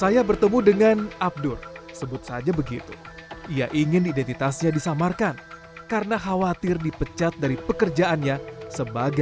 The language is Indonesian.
yang bisa membuat pecandunya sulit keluar dari lingkaran setan